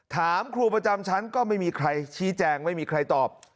ถามครูประจำชั้นก็ไม่มีใครชี้แจงไม่มีใครตอบ